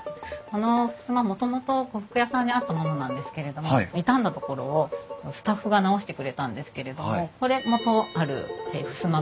このふすまもともと呉服屋さんにあったものなんですけれども傷んだ所をスタッフが直してくれたんですけれどもこれ元あるふすま